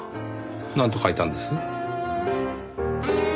なんと書いたんです？